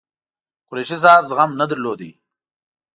قریشي صاحب زغم نه درلود.